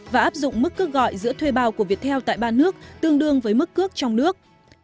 và áp dụng mức cước gọi giữa thuê bao của viettel tại ba nước tương đương với mức cước trong nước